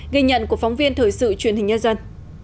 ghi nhận của phóng viên thời sự truyền hình nhân dân